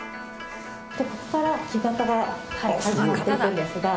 ここから木型が始まっていくんですが。